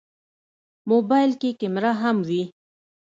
موبایل کې کیمره هم وي.